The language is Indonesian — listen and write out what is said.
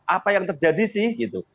apa yang terjadi sih gitu